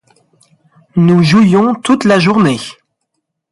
Nous jouions toute la journée.